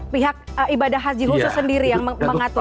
pihak ibadah haji khusus sendiri yang mengatur